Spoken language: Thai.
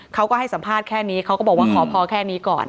เขาก็ให้สัมภาษณ์แค่นี้เขาก็บอกว่าขอพอแค่นี้ก่อน